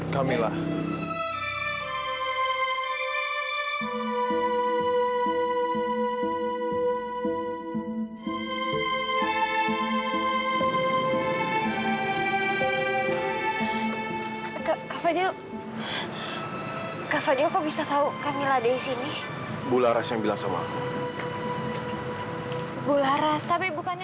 sampai jumpa di video selanjutnya